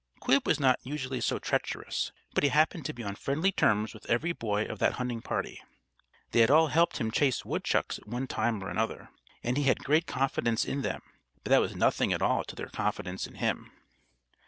Quib was not usually so treacherous, but he happened to be on friendly terms with every boy of that hunting party. They had all helped him chase woodchucks at one time or another, and he had great confidence in them, but that was nothing at all to their confidence in him.